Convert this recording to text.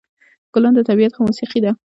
ګلان د طبیعت موسيقي ده.